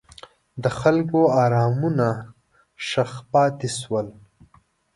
د خلکو ارمانونه ښخ پاتې شول.